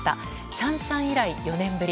シャンシャン以来４年ぶり。